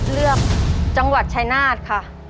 เรื่องจังหวัดชัยนาธค่ะ